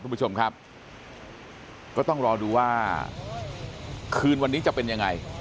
คุณผู้ชมครับก็ต้องรอดูว่าคืนวันนี้จะเป็นยังไง